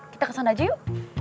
kita kesana aja yuk